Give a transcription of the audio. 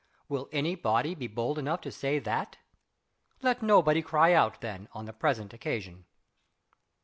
Will any body be bold enough to say that? Let nobody cry out, then, on the present occasion.